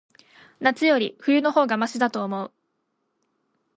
夏より、冬の方がましだと思う。